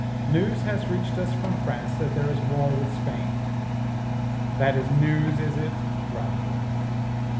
"News has reached us from France that there is war with Spain." "That is news, is it?" growled Blood.